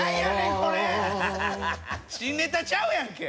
新ネタちゃうやんけ！